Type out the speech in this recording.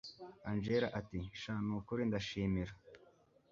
angella ati sha nukuri ndashimira